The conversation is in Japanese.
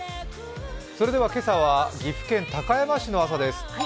今朝は岐阜県高山市の朝です。